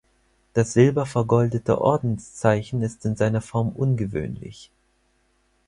Das Silber vergoldete Ordenszeichen ist in seiner Form ungewöhnlich.